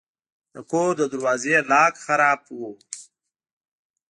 د کور د دروازې لاک خراب و.